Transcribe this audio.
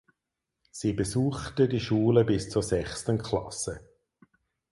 Sie besuchte die Schule bis zur sechsten Klasse.